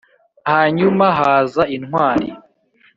hanyuma haza intwari